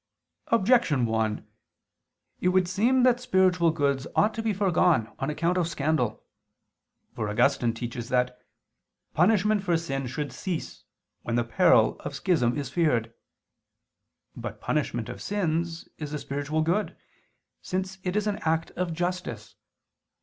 Objection 1: It would seem that spiritual goods ought to be foregone on account of scandal. For Augustine (Contra Ep. Parmen. iii, 2) teaches that "punishment for sin should cease, when the peril of schism is feared." But punishment of sins is a spiritual good, since it is an act of justice.